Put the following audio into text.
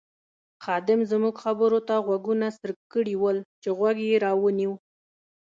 خادم زموږ خبرو ته غوږونه څرک کړي ول چې غوږ یې را ونیو.